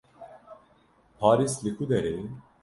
Parîs li ku derê ye?